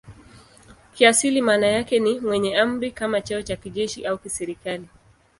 Kiasili maana yake ni "mwenye amri" kama cheo cha kijeshi au kiserikali.